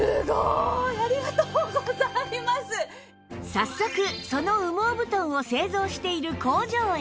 早速その羽毛布団を製造している工場へ